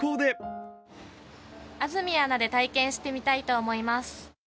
安住アナで体験してみたいと思います。